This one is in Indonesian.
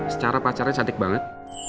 secara pacarnya cantik banget